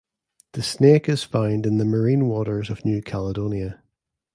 The snake is found in the marine waters of New Caledonia.